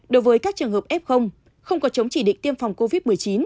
đối với các trường hợp ép không không có chống chỉ định tiêm phòng covid một mươi chín